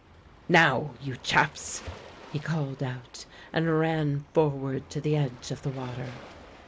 "Now, you chaps!" he called out, and ran forward to the edge of the water.